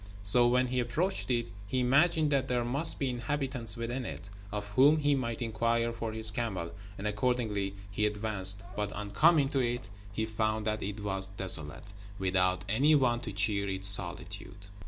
So when he approached it, he imagined that there must be inhabitants within it, of whom he might inquire for his camel; and, accordingly, he advanced, but on coming to it he found that it was desolate, without any one to cheer its solitude.